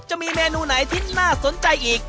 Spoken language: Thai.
จะมีเมนูไหนที่น่าสนใจอีก